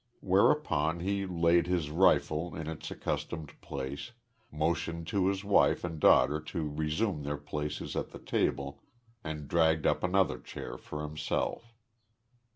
Whereupon he laid his rifle in its accustomed place, motioned to his wife and daughter to resume their places at the table, and dragged up another chair for himself.